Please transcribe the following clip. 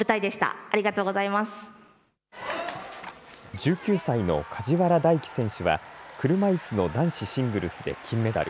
１９歳の梶原大暉選手は車いすの男子シングルスで金メダル。